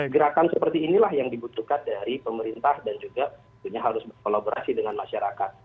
gerakan seperti inilah yang dibutuhkan dari pemerintah dan juga harus berkolaborasi dengan masyarakat